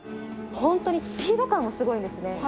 本当にスピード感もすごいんですね。